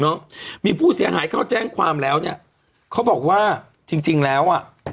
มีผู้เสียหายเข้าแจ้งความแล้วเนี้ยเขาบอกว่าจริงจริงแล้วอ่ะ